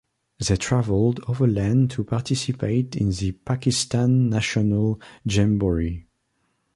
They traveled overland to participate in the Pakistan National Jamboree.